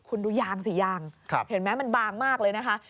คุณดูยางสี่ยางมันบางมากเลยนะคะ